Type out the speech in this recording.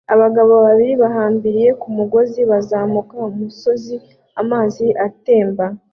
Abagabo babiri bahambiriye ku mugozi bazamuka umusozi amazi atemba